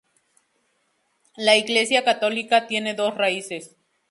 La Iglesia católica tiene dos raíces.